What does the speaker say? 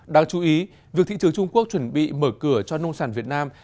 đáng chú ý việc thị trường trung quốc chuẩn bị mở cửa cho nông sản việt nam